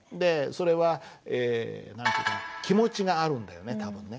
それは何ていうかな気持ちがあるんだよね多分ね。